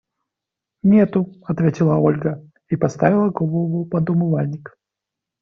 Нету, – ответила Ольга и подставила голову под умывальник.